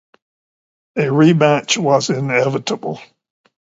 A rematch was inevitable.